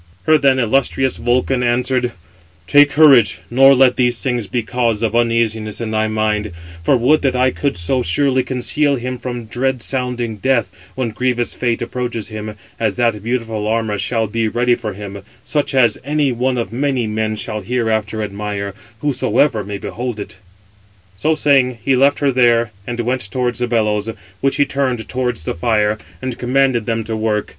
Her then illustrious Vulcan answered: "Take courage, nor let these things be cause of uneasiness in thy mind; for would that I could so surely conceal him from dread sounding death, when grievous fate approaches him, as that beautiful armour shall be ready for him, such as any one of many men shall hereafter admire, whosoever may behold it." So saying, he left her there, and went towards the bellows, which he turned towards the fire, and commanded them to work.